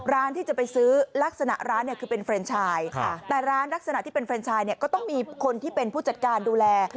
ร้านที่จะไปซื้อลักษณะร้านเนี่ยคือเป็นเฟรนชายแต่ร้านลักษณะที่เป็นเฟรนชายเนี่ยก็ต้องมีคนที่เป็นผู้จัดการดูแล